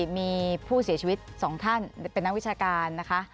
มีผู้เสียชีวิต๒ท่านเป็นนักวิชาการนะคะ